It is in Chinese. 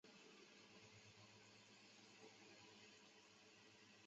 冥古宙则尚未有正式的分代。